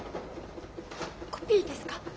コピーですか？